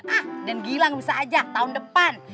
ah dan gilang bisa aja tahun depan